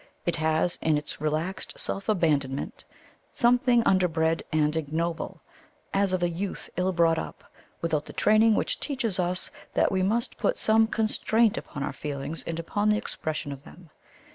It has in its relaxed self abandonment something underbred and ignoble, as of a youth ill brought up, without the training which teaches us that we must put some constraint upon our feelings and upon the expression of them.